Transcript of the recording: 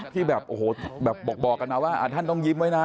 ที่แบบโอ้โหแบบบอกกันมาว่าท่านต้องยิ้มไว้นะ